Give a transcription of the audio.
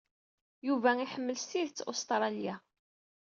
Yuba iḥemmel s tidet Ustṛalya.